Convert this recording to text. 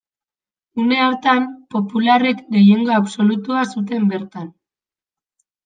Une hartan, popularrek gehiengo absolutua zuten bertan.